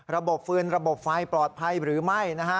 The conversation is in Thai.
ฟืนระบบไฟปลอดภัยหรือไม่นะฮะ